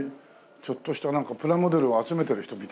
ちょっとしたなんかプラモデルを集めてる人みたいな。